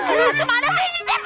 aduh kemana sih si jejen